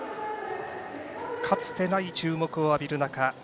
かつてない注目を浴びる中